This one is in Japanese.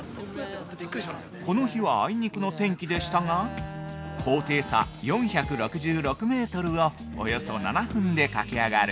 ◆この日はあいにくの天気でしたが高低差４６６メートルをおよそ７分でかけ上がる